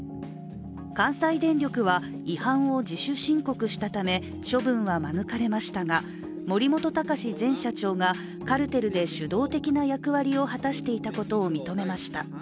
関西電力は違反を自主申告したため、処分は免れましたが、森本孝前社長がカルテルで主導的な役割を果たしていたことを認めました。